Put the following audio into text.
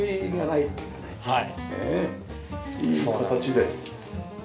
いい形で。